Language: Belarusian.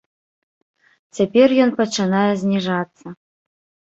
Цяпер ён пачынае зніжацца.